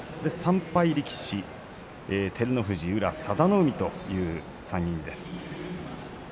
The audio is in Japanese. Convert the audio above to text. ３敗力士照ノ富士と宇良、佐田の海という３人です。